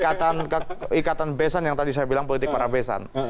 ikatan ikatan besan yang tadi saya bilang politik parabesan